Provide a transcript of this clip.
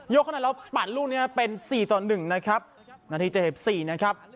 ยกเข้าหน้าแล้วปัดลูกเนี้ยเป็นสี่ต่อหนึ่งนะครับนัดที่เจ็บสี่นะครับ